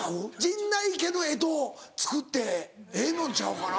陣内家の干支を作ってええのんちゃうかな。